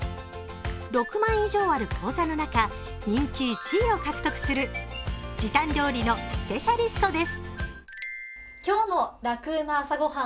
６万以上ある講座の中人気１位を獲得する時短料理のスペシャリストです。